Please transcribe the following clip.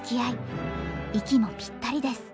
息もぴったりです。